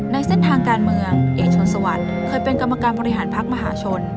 ในเส้นทางการเมืองเอกชนสวัสดิ์เคยเป็นกรรมการบริหารพักมหาชน